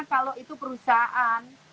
kalau itu perusahaan